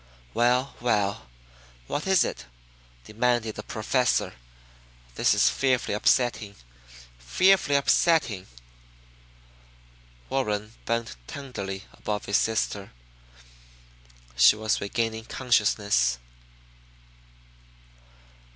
"Well, well, what is it?" demanded the Professor. "This is fearfully upsetting, fearfully upsetting!" Warren bent tenderly above his sister. She was regaining consciousness.